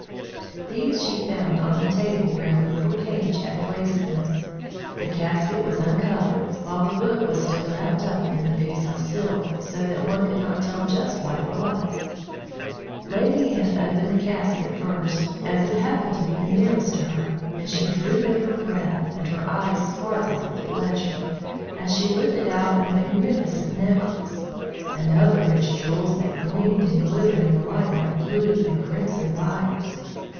These she found on a table where the little page had placed them. The casket was uncovered, while the book was still wrapped up in the piece of silk, so that one could not tell just what it was. [Illustration: "Began slowly to turn over the pages"] Lady Anne opened the casket first, as it happened to be nearest to her; and she drew in her breath, and her eyes sparkled with pleasure, as she lifted out a magnificent necklace, and other rich jewels that gleamed and glittered in the light like blue and crimson fires.